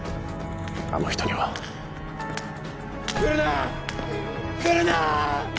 あの人には来るな来るな！